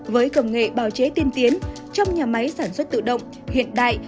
với công nghệ bào chế tiên tiến trong nhà máy sản xuất tự động hiện đại